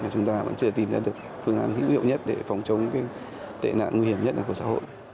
chúng ta vẫn chưa tìm ra được phương án hữu hiệu nhất để phòng chống tệ nạn nguy hiểm nhất của xã hội